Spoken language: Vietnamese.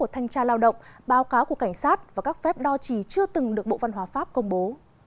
thanh tra lao động báo cáo của cảnh sát và các phép đo trì chưa từng được bộ văn hóa pháp công bố